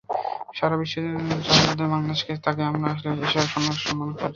সারা বিশ্ব যাঁর মাধ্যমে বাংলাদেশকে চেনে, তাঁকে আমরা আসলে এখন অসম্মান করছি।